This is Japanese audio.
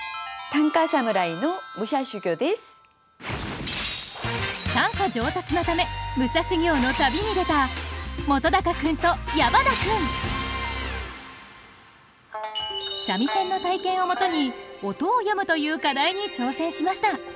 短歌上達のため武者修行の旅に出た本君と矢花君三味線の体験をもとに「音を詠む」という課題に挑戦しました。